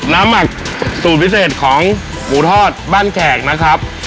หมักสูตรพิเศษของหมูทอดบ้านแขกนะครับ